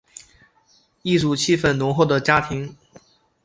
艺术气氛浓厚的家庭